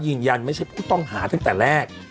ยืนยันไม่ใช่ผู้ต้องหาตั้งแต่แรก